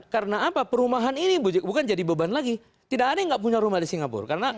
karena perumahan ini bukan jadi beban lagi tidak ada yang tidak punya rumah di singapura